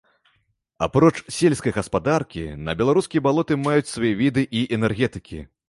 Апроч сельскай гаспадаркі на беларускія балоты маюць свае віды і энергетыкі.